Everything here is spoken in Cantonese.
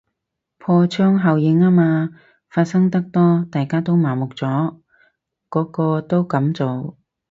破窗效應吖嘛，發生得多大家都麻木咗，個個都噉做